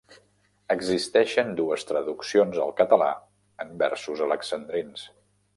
Existeixen dues traduccions al català en versos alexandrins.